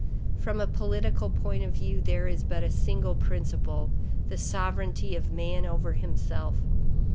From a political point of view, there is but a single principle; the sovereignty of man over himself.